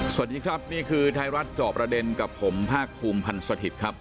สวัสดีครับนี่คือไทยรัฐจอบประเด็นกับผมภาคภูมิพันธ์สถิตย์ครับ